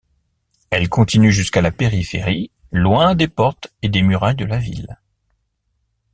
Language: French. Elle continue jusqu’à la périphérie, loin des portes et des murailles de la ville.